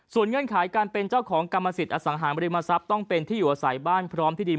เงื่อนไขการเป็นเจ้าของกรรมสิทธิ์อสังหารบริมทรัพย์ต้องเป็นที่อยู่อาศัยบ้านพร้อมที่ดี